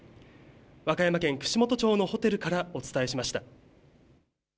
和歌山県串本町のホテルからお伝えしました。